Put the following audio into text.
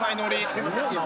すいません。